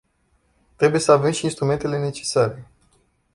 Trebuie să avem și instrumentele necesare.